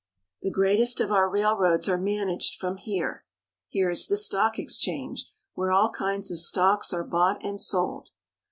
The greatest of our railroads are managed from here. Here is the Stock Exchange, where all kinds of stocks are bought and sold.